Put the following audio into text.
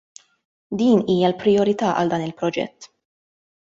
Din hija l-prijorità għal dan il-proġett.